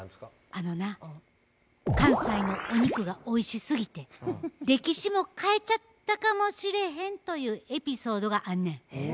あのな関西のお肉がおいしすぎて歴史も変えちゃったかもしれへんというエピソードがあんねん。